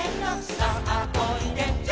「さあおいで」